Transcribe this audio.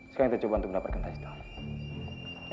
sekarang kita coba untuk mendapatkan tekstur